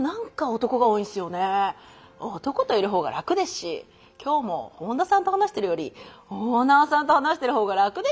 男といるほうが楽ですし今日も本田さんと話してるよりオーナーさんと話してるほうが楽ですもん。